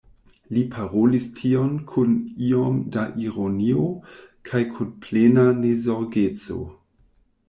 Li parolis tion kun iom da ironio kaj kun plena nezorgeco.